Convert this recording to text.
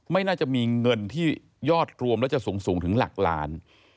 ไม่น่าจะมีเงินที่ยอดรวมแล้วจะสูงถึงหลักล้าน